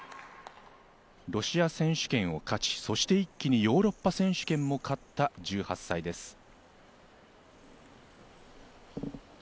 ロシア選手権を勝ち、そして一気にヨーロッパ選手権も勝った１８歳です。